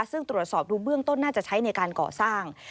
ซึ่งตรวจสอบดูเบื้องต้นน่าจะใช้ในการก่อสร้าง